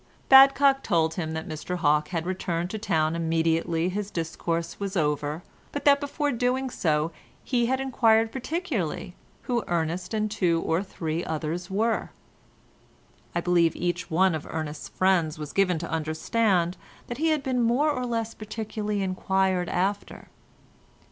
Badcock told him that Mr Hawke had returned to town immediately his discourse was over, but that before doing so he had enquired particularly who Ernest and two or three others were. I believe each one of Ernest's friends was given to understand that he had been more or less particularly enquired after.